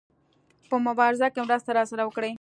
په مبارزه کې مرسته راسره وکړي.